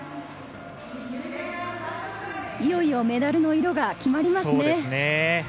いよいよメダルの色が決まりますね。